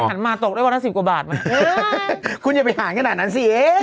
หันมาตกได้ว่านั้น๑๐กว่าบาทคุณอย่าไปห่างขนาดนั้นสิ